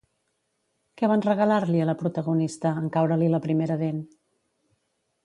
Què van regalar-li a la protagonista en caure-li la primera dent?